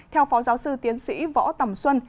theo phó giáo sư tiến sĩ võ tầm xuân